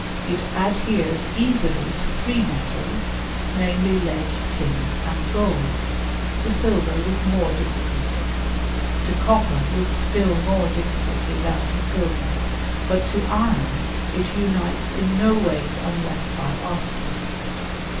It adheres easily to three metals ; name lead, tin, and gold ; to silver with more difficulty, copper with still more difficulty than to silver ; bul iron it unites in nowise unless by artifice.